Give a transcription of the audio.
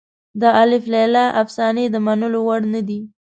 د الف لیله افسانې د منلو وړ نه دي.